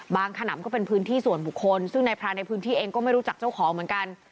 ขนำก็เป็นพื้นที่ส่วนบุคคลซึ่งนายพรานในพื้นที่เองก็ไม่รู้จักเจ้าของเหมือนกัน